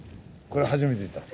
これ初めて見た。